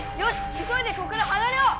いそいでここからはなれよう！